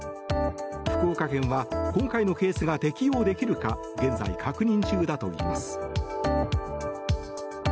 福岡県は今回のケースが適用できるか現在、確認中だといいます。